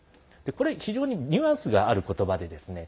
これ、非常にニュアンスがあることばでですね